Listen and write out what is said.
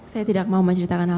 saya tidak mau menceritakan pak